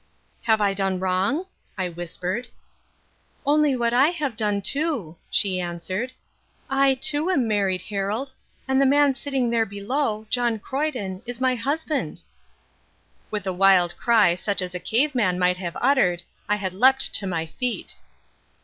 "Have I done wrong?" I whispered. "Only what I have done too," she answered. "I, too, am married, Harold, and the man sitting there below, John Croyden, is my husband." With a wild cry such as a cave man might have uttered, I had leapt to my feet.